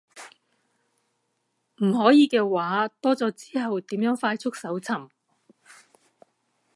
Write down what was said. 唔可以嘅話，多咗之後點樣快速搜尋